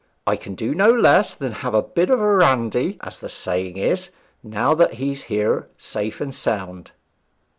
I can do no less than have a bit of a randy, as the saying is, now that he's here safe and sound.'